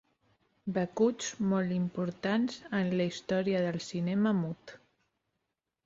Becuts molt importants en la història del cinema mut.